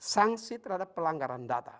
sanksi terhadap pelanggaran data